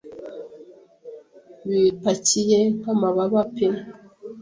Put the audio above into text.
bipakiye nk'amababa pe